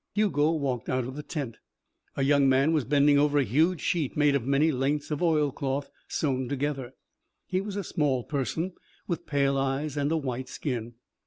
Hugo walked out of the tent. A young man was bending over a huge sheet made of many lengths of oilcloth sewn together. He was a small person, with pale eyes and a white skin.